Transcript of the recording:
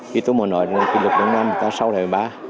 thì tôi muốn nói là lực lượng năm sau này là hai mươi ba